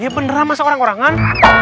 iya beneran masa orang orangan